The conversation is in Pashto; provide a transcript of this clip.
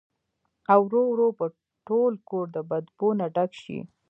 او ورو ورو به ټول کور د بدبو نه ډک شي